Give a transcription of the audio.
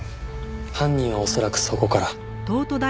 犯人は恐らくそこから。